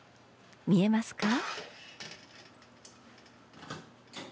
見えますか？